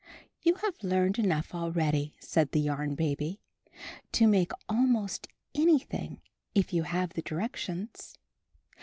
"You have learned enough already," said the Yarn Baby, "to make almost anything if you have the directions."